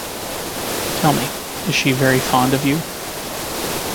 Tell me, is she very fond of you?